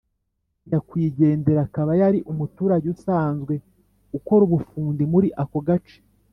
Nyakwigendera akaba yari umuturage usanzwe ukora ubufundi muri ako gace